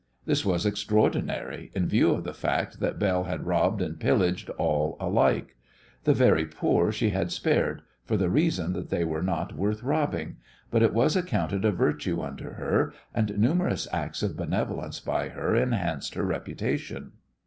This was extraordinary, in view of the fact that Belle had robbed and pillaged all alike. The very poor she had spared for the reason that they were not worth robbing, but it was accounted a virtue unto her, and numerous acts of benevolence by her enhanced her reputation.